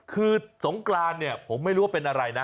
คือสงกรานเนี่ยผมไม่รู้ว่าเป็นอะไรนะ